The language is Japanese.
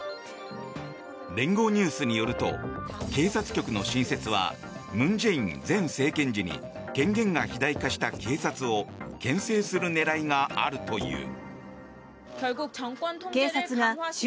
聯合ニュースによりますと警察局の新設は文在寅前政権時に権限が肥大化した警察を牽制する狙いがあるという。